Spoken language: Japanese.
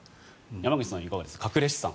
山口さんはいかがでしょうか。